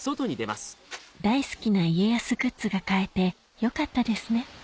大好きな家康グッズが買えてよかったですね